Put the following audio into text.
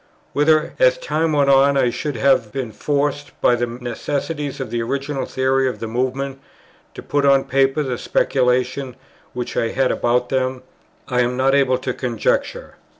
Whether, as time went on, I should have been forced, by the necessities of the original theory of the Movement, to put on paper the speculations which I had about them, I am not able to conjecture.